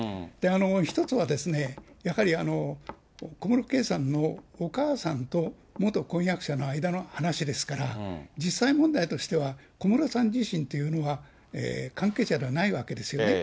１つはですね、やはり小室圭さんのお母さんと元婚約者の間の話ですから、実際問題としては、小室さん自身っていうのは、関係者ではないわけですよね。